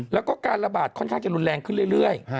แล้วก็การระบาดค่อนข้างจะรุนแรงขึ้นเรื่อย